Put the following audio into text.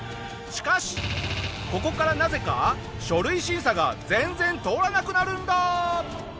しかしここからなぜか書類審査が全然通らなくなるんだ！